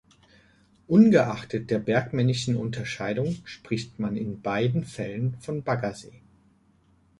Ungeachtet der bergmännischen Unterscheidung spricht man in beiden Fällen von "Baggersee.